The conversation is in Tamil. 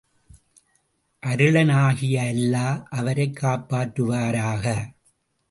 அருளாளனாகிய அல்லா அவரைக் காப்பாற்றுவாராக.